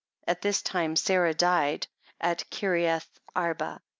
At this time Sarah died at Kireath arba.